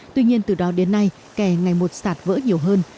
tuy nhiên từ đó đến nay kè ngày một sạt vỡ nhiều hơn